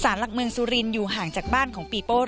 หลักเมืองสุรินอยู่ห่างจากบ้านของปีโป้